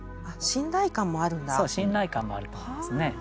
そう信頼感もあると思うんですね。